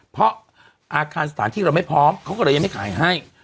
เพราะอาคารสถานที่เราไม่พร้อมเขาก็เลยยังไม่ขายให้